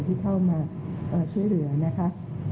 ที่เข้ามาช่วยเหลือนะคะ